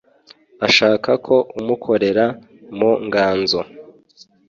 Ashaka ko umukorera mu nganzo